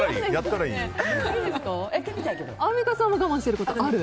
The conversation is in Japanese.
アンミカさんも我慢してることある？